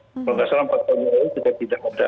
pembangunan selama empat tahun ini sudah tidak ada